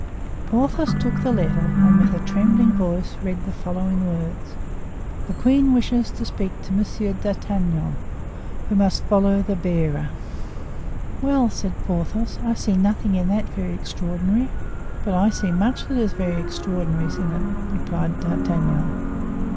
Porthos took the letter and with a trembling voice read the following words: "The queen wishes to speak to Monsieur d'Artagnan, who must follow the bearer." "Well!" exclaimed Porthos; "I see nothing in that very extraordinary." "But I see much that is very extraordinary in it," replied D'Artagnan.